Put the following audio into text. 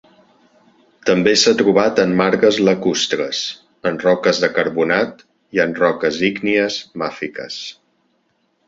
També s'ha trobat en margues lacustres, en roques de carbonat i en roques ígnies màfiques.